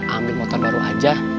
ambil motor baru aja